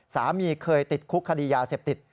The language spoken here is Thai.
สามีเคยติดคุกคดียาเสพติด